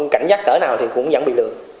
cảnh giác cỡ nào thì cũng vẫn bị lừa